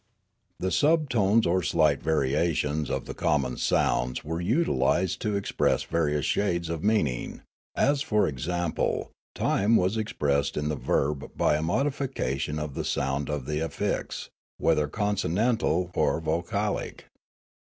The subtones or slight variations of the common sounds were utilised to express various shades of mean ing; as for example, time was expressed in the verb by a modification of the sound of the affix, whether con sonantal or vocalic.